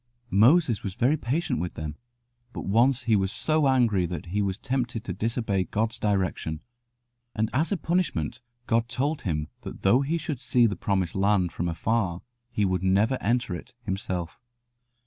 Moses was very patient with them; but once he was so angry that he was tempted to disobey God's direction, and as a punishment God told him that though he should see the Promised Land from afar he would never enter it himself.